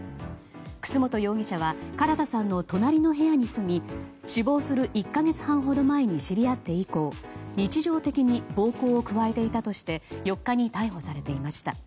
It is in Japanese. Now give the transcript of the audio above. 楠本容疑者は唐田さんの隣の部屋に住み死亡する１か月半ほど前に知り合って以降日常的に暴行を加えていたとして４日に逮捕されていました。